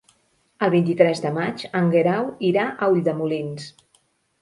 El vint-i-tres de maig en Guerau irà a Ulldemolins.